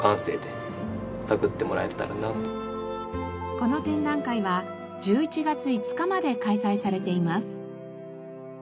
この展覧会は１１月５日まで開催されています。